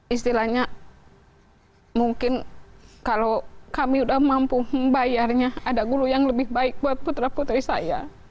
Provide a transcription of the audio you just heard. istilahnya mungkin kalau kami udah mampu membayarnya ada guru yang lebih baik buat putra putri saya